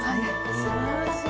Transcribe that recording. すばらしい。